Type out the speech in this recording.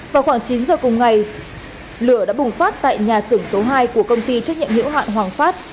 vào khoảng chín giờ cùng ngày lửa đã bùng phát tại nhà xưởng số hai của công ty trách nhiệm hiệu hạn hoàng phát